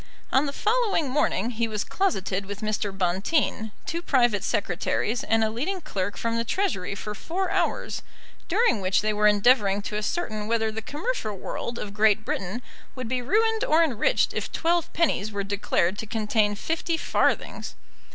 On the following morning he was closeted with Mr. Bonteen, two private secretaries, and a leading clerk from the Treasury for four hours, during which they were endeavouring to ascertain whether the commercial world of Great Britain would be ruined or enriched if twelve pennies were declared to contain fifty farthings.